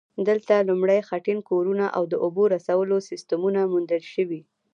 دلته لومړني خټین کورونه او د اوبو رسولو سیستمونه موندل شوي